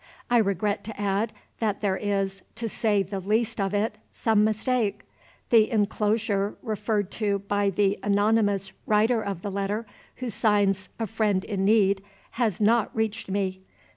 I regret to add that there is, to say the least of it, some mistake. The inclosure referred to by the anonymous writer of the letter, who signs 'a friend in need,' has not reached me.